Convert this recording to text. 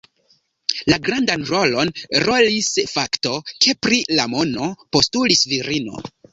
La grandan rolon rolis fakto, ke pri la mono postulis virino.